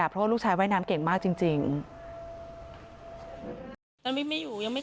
เพราะลูกชายว่ายน้ำเก่งมากจริง